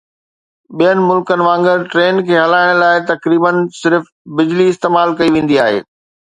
ٻين ملڪن وانگر، ٽرين کي هلائڻ لاء تقريبا صرف بجلي استعمال ڪئي ويندي آهي